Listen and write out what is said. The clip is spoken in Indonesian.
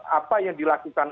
apa yang dilakukan